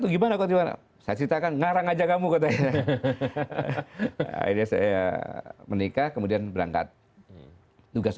gimana gimana saya ceritakan ngarang aja kamu ke akhirnya saya menikah kemudian berangkat tugas